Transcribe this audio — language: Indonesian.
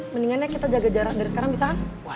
mendingannya kita jaga jarak dari sekarang bisa wah